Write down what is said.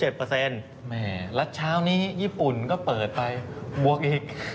แล้วเช้านี้ญี่ปุ่นก็เปิดไปบวกอีก